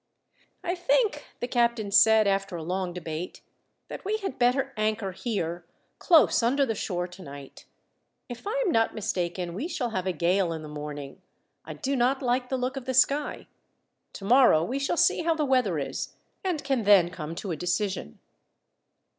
"I think," the captain said, after a long debate, "that we had better anchor here close under the shore tonight. If I am not mistaken, we shall have a gale in the morning. I do not like the look of the sky. Tomorrow we shall see how the weather is, and can then come to a decision."